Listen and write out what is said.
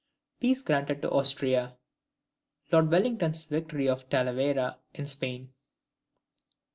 Peace granted to Austria. Lord Wellington's victory of Talavera, in Spain.